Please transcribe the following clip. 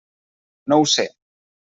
No ho sé.